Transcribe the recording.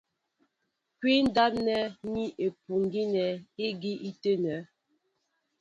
Kwǐ ndáp nɛ́ ni ipu' gínɛ́ ígi í tɛ́mɛ.